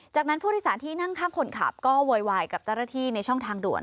จากนั้นผู้โดยสารที่นั่งข้างคนขับก็โวยวายกับเจ้าหน้าที่ในช่องทางด่วน